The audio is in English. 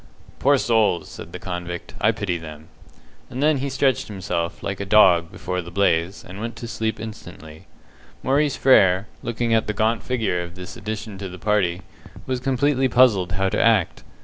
"Poor souls!" said the convict, "I pity them." And then he stretched himself, like a dog, before the blaze, and went to sleep instantly. Maurice Frere, looking at the gaunt figure of this addition to the party, was completely puzzled how to act.